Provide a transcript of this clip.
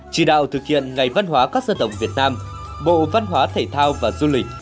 chỉ đạo thực hiện ngày văn hóa các dân tộc việt nam bộ văn hóa thể thao và du lịch